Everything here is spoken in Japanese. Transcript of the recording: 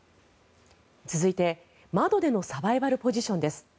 続いて、窓でのサバイバルポジションです。